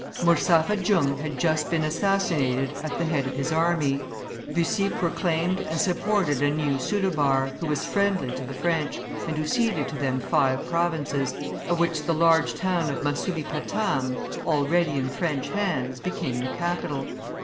Murzapha Jung had just been assassinated at the head of his army; Bussy proclaimed and supported a new soudhabar, who was friendly to the French, and who ceded to them five provinces, of which the large town of Masulipatam, already in French hands, became the capital.